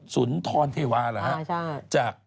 สุนทรเทวาหรือฮะ